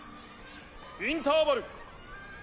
インターバル。